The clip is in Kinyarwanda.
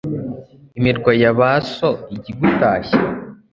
Imirwa ya ba so ijya igutashya